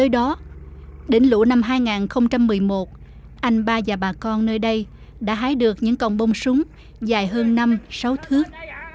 đó đến lũ năm hai nghìn một mươi một anh ba và bà con nơi đây đã hái được những con bông súng dài hơn năm sáu thước